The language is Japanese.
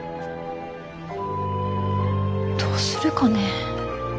どうするかね。